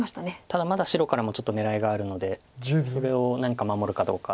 ただまだ白からもちょっと狙いがあるのでそれを何か守るかどうか。